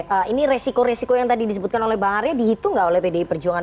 dan itu resiko resiko yang tadi disebutkan oleh bang arya dihitung gak oleh pdi perjuangan